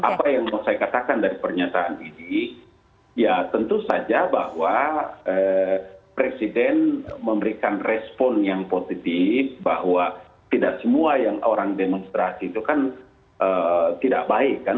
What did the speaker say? apa yang mau saya katakan dari pernyataan ini ya tentu saja bahwa presiden memberikan respon yang positif bahwa tidak semua yang orang demonstrasi itu kan tidak baik kan